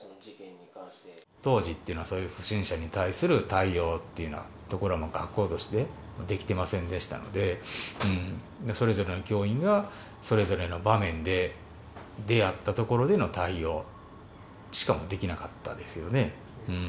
当時っていうのは、そういう不審者に対する対応というようなところは、学校としてできてませんでしたので、それぞれの教員が、それぞれの場面で、出会ったところでの対応しか、もうできなかったですよね。